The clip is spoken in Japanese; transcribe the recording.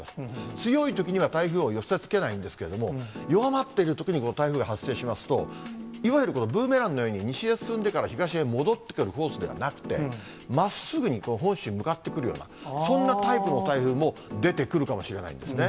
強いときには台風を寄せつけないんですけれども、弱まっているときに台風が発生しますと、いわゆるブーメランのように西へ進んでから東へ戻ってくるコースではなくて、まっすぐに本州に向かってくるような、そんなタイプの台風も出てくるかもしれないんですね。